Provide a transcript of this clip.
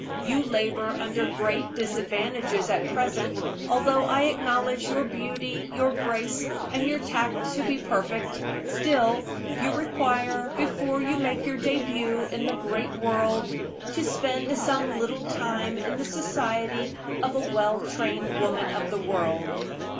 You labor under great disadvantages at present, although I acknowledge your beauty, your grace, and your tact to be perfect; still, you require, before you make your debut in the great world, to spend some little time in the society of a well trained woman of the world."